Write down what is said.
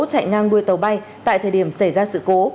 chạy ngang đôi tàu bay tại thời điểm xảy ra sự cố